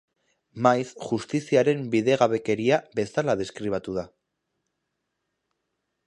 Maiz, justiziaren bidegabekeria bezala deskribatua da.